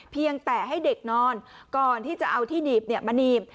เพียงแต่ให้เด็กนอนก่อนที่จะเอาที่หนีบมาหนีบ